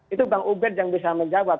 itu bang ubed yang bisa menjawab